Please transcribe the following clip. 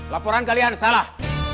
laporan kalian salah